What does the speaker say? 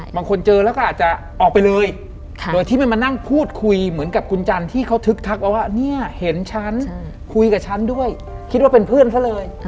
บางคนเจอแล้วก็อาจจะออกไปเลยโดยที่ไม่มานั่งพูดคุยเหมือนกับคุณจันทร์ที่เขาทึกทักว่าเนี่ยเห็นฉันคุยกับฉันด้วยคิดว่าเป็นเพื่อนซะเลย